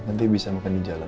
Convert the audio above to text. nanti bisa makan di jalan